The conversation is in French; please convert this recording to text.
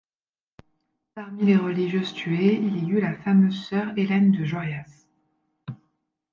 Parmi les religieuses tuées, il y eut la fameuse sœur Hélène de Jaurias.